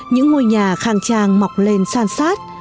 những ngôi nhà khang trang mọc lên san sát